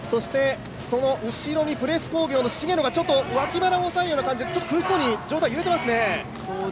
その後ろにプレス工業の滋野が脇腹を押さえるような感じで、苦しそうに上体揺れてますね。